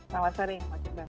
selamat sore pak cipta